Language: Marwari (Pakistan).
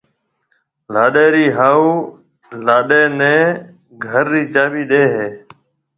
لاڏيِ رِي هاهوُ لاڏيِ نَي گھر رِي چاٻِي ڏَي هيَ۔